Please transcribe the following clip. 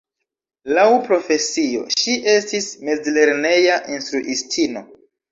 Laŭ profesio, ŝi estis mezlerneja instruistino.